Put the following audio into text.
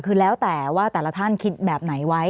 คือแล้วแต่ว่าแต่ละท่านคิดแบบไหนไว้